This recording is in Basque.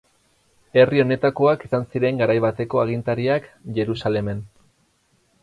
Herri honetakoak izan ziren garai bateko agintariak Jerusalemen.